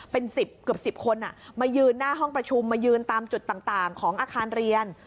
เป็น๑๐เกือบ๑๐คนมายืนหน้าห้องประชุมมายืนตามจุดต่างของอาคารเรียน